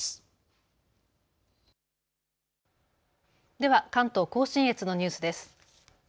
では、関東甲信越のニュースです。